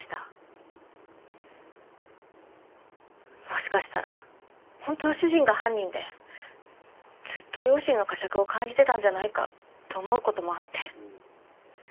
もしかしたら本当は主人が犯人でずっと良心の呵責を感じてたんじゃないかと思う事もあって。